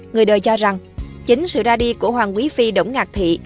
người đời cho rằng chính sự ra đi của hoàng quý phi đỗng ngạc thị